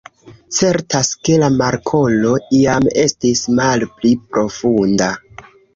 Certas, ke la markolo iam estis malpli profunda.